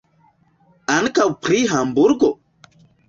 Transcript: Ankaŭ pri Hamburgo?